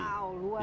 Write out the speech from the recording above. wow luar biasa ya